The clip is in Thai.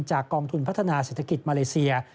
กองทุนพัฒนาเศรษฐกิจมาเลเซีย